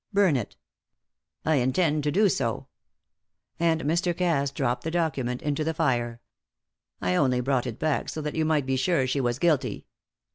Burn it." "I intend to do so." And Mr. Cass dropped the document into the fire. "I only brought it back so that you might be sure she was guilty.